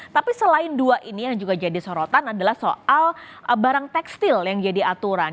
tapi selain dua ini yang juga jadi sorotan adalah soal barang tekstil yang jadi aturan